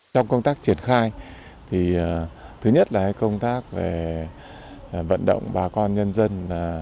trong công tác triển khai thứ nhất là công tác về vận động bà con nhân dân